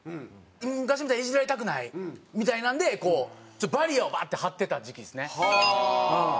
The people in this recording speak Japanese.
昔みたいにイジられたくないみたいなのでこうバリアーをバーッて張ってた時期ですね。